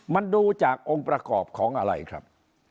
มันดูจากองค์ประกอบของอะไรครับ